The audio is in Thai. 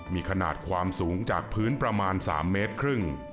มีขนาดความสูงจากพื้นประมาณ๓เมตรครึ่ง